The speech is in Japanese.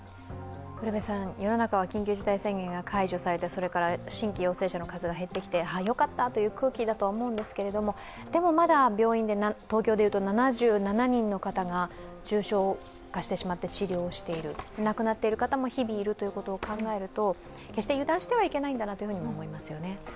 世の中は緊急事態宣言が解除され新規陽性者の数が減ってきて、よかったという空気だとは思うんですけどでも、まだ病院で、東京で言うと７７人の方が重症化してしまって治療をしている、亡くなっている方も日々いることを考えると決して油断してはいけないんだなと思いますよね。